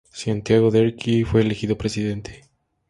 Santiago Derqui fue elegido presidente.